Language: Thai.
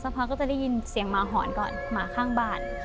พักก็จะได้ยินเสียงหมาหอนก่อนหมาข้างบ้าน